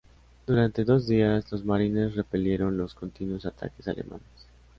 Durante dos días, los marines repelieron los continuos ataques alemanes.